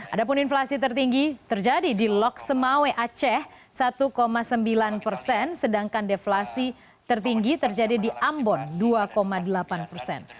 adapun inflasi tertinggi terjadi di loksemawe aceh satu sembilan persen sedangkan deflasi tertinggi terjadi di ambon dua delapan persen